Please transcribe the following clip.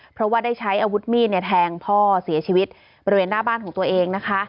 เพราะว่าได้ใช้อาวุธมีดแทงพ่อเสียชีวิตบริเวณหน้าบ้านของตัวเองนะคะ